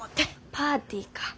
パーティーか。